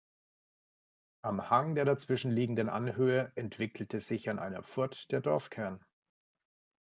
Am Hang der dazwischen liegenden Anhöhe entwickelte sich an einer Furt der Dorfkern.